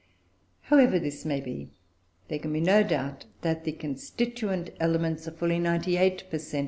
However this may be, there can be no doubt that the constituent elements of fully 98 per cent.